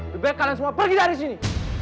sebaiknya kalian semua pergi dari sini